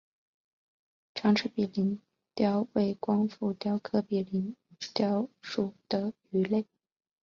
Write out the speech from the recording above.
长齿柄鳞鲷为光腹鲷科柄鳞鲷属的鱼类。